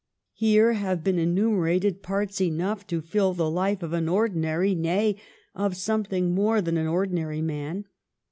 " Here have been enumerated parts enough to fill the life of an ordinary, nay, of something more than an ordinary man.